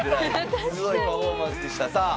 すごいパフォーマンスでした。